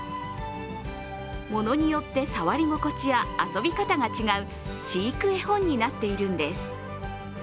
ものによって触り心地や遊び方が違う知育絵本になっているんです。